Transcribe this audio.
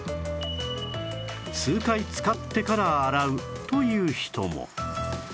数回使ってから洗うという人も